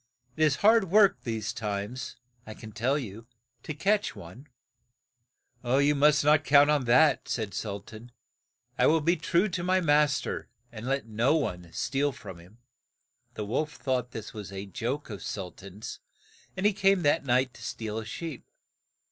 It is hard work, these times. I can tell you, to catch one." THE WILD BOAR BRINGS A CHALLENGE. OLD SULTAN 141 "You must not count on that," said Sul tan, "I will be true to my mas ter, and let no one steal from him. The wolf thought this was a joke of Sul tan's, and he came that night to steal a sheep.